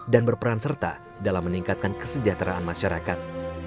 dan berperan serta dalam meningkatkan kesejahteraan masyarakat